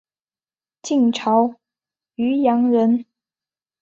晋朝渔阳人。